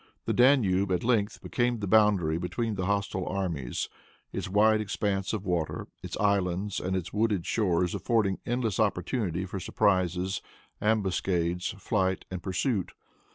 The Danube at length became the boundary between the hostile armies, its wide expanse of water, its islands and its wooded shores affording endless opportunity for surprises, ambuscades, flight and pursuit.